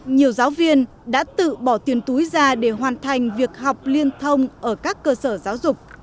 nhiều giáo viên đã tự bỏ tiền túi ra để hoàn thành việc học liên thông ở các cơ sở giáo dục